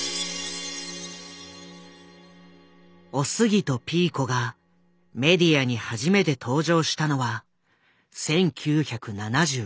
おすぎとピーコがメディアに初めて登場したのは１９７５年。